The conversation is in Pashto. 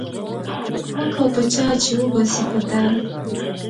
مه کوه په چا، چي وبه سي په تا